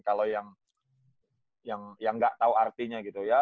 kalau yang nggak tahu artinya gitu ya